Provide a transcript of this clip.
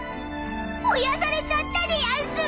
燃やされちゃったでやんす。